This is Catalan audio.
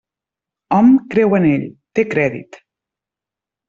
Hom creu en ell; té crèdit.